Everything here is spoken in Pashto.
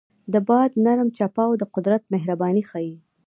د باد نرم چپاو د قدرت مهرباني ښيي.